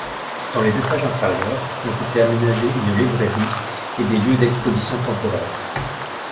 Dans les étages inférieurs ont été aménagés une librairie et des lieux d'expositions temporaires.